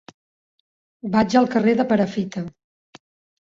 Vaig al carrer de Perafita.